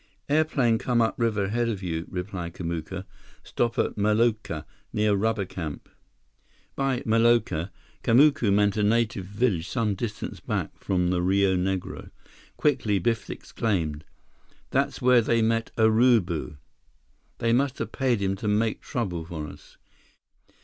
"Airplane come upriver ahead of you," replied Kamuka. "Stop at maloca near rubber camp." By maloca Kamuka meant a native village some distance back from the Rio Negro. Quickly, Biff exclaimed: "That's where they met Urubu! They must have paid him to make trouble for us!"